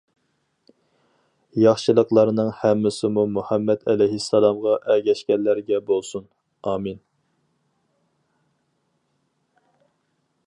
ياخشىلىقلارنىڭ ھەممىسىمۇ مۇھەممەد ئەلەيھىسسالامغا ئەگەشكەنلەرگە بولسۇن. ئامىن.